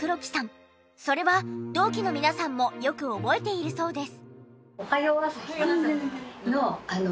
それは同期の皆さんもよく覚えているそうです。